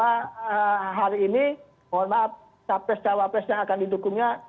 capres cawapres yang akan didukungnya